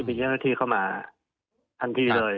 จะมีเยี่ยมหน้าที่เข้ามาทันทีเลย